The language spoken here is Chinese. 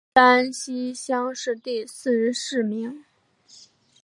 山西乡试第四十四名。